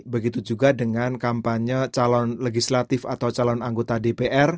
begitu juga dengan kampanye calon legislatif atau calon anggota dpr